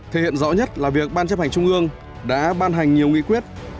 thể hiện rõ nhất là việc ban chấp hành trung ương đã ban hành nhiều nghị quyết